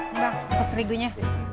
ini bang pus terigunya